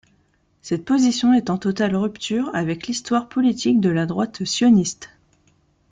Cette position est en totale rupture avec l'histoire politique de la droite sioniste.